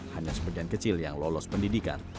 hanya sebagian kecil yang lolos pendidikan